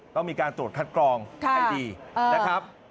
ต้องมีการตรวจคัดกรองให้ดีนะครับ